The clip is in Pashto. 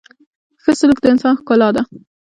• ښه سلوک د انسان ښکلا ده.